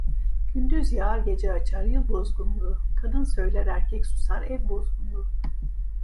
Gündüz yağar gece açar, yıl bozgunluğu; kadın söyler erkek susar, ev bozgunluğu.